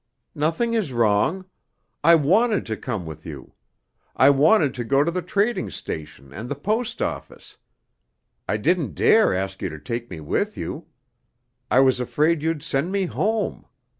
"Nothing is wrong. I wanted to come with you. I wanted to go to the trading station and the post office. I didn't dare ask you to take me with you. I was afraid you'd send me home.